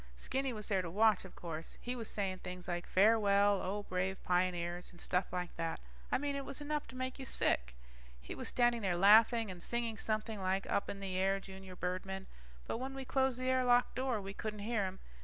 Stinky was there to watch, of course. He was saying things like, farewell, O brave pioneers, and stuff like that. I mean it was enough to make you sick. He was standing there laughing and singing something like up in the air junior birdmen, but when we closed the air lock door, we couldn't hear him.